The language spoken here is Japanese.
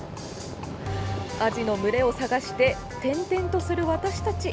アジの群れを探して転々とする私たち。